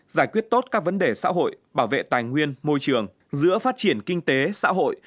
giải quyết tốt các vấn đề xã hội bảo vệ tài nguyên môi trường giữa phát triển kinh tế xã hội